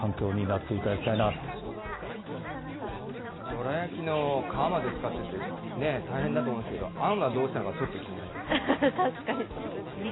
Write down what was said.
どら焼きの皮まで使って大変だと思いますけれども、あんはどうしたのか、ちょっと気になりますね。